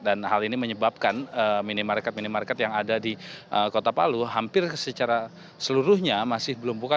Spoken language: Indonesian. dan hal ini menyebabkan minimarket minimarket yang ada di kota palu hampir secara seluruhnya masih belum buka